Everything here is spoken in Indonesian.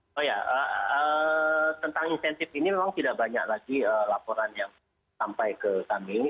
oh ya tentang insentif ini memang tidak banyak lagi laporan yang sampai ke kami